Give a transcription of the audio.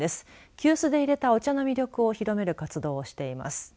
急須で入れたお茶の魅力を広める活動をしています。